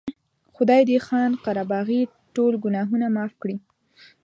خدای دې خان قره باغي ټول ګناهونه معاف کړي.